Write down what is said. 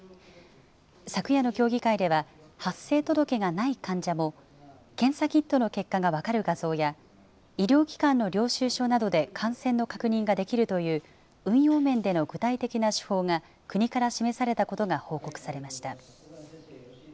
昨夜の協議会では、発生届がない患者も、検査キットの結果が分かる画像や医療機関の領収書などで感染の確認ができるという運用面での具体的な手法が国から示されたことが報告されました。